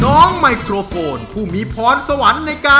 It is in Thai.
น้องไมโครโฟนจากทีมมังกรจิ๋วเจ้าพญา